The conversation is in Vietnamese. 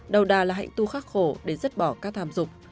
đầu đà là hạnh tu khắc khổ để giấc bỏ các tham dục